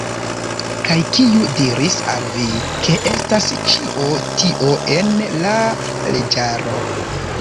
Kaj kiu diris al vi, ke estas ĉio tio en la leĝaro?